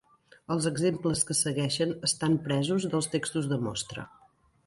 Els exemples que segueixen estant presos dels textos de mostra.